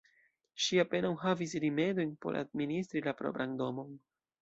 Ŝi apenaŭ havis rimedojn por administri la propran domon.